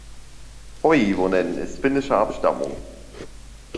Toivonen ist finnischer Abstammung.